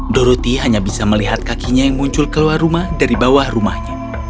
doroti hanya bisa melihat kakinya yang muncul keluar rumah dari bawah rumahnya